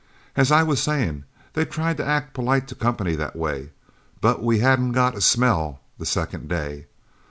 As I was saying, they tried to act polite to company that way, but we hadn't got a smell the second day.